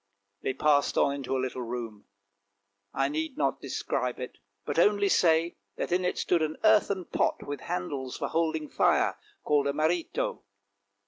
They passed on into a little room. I need not describe it, but only say that in it stood an earthen pot with handles for holding fire, called a " marito."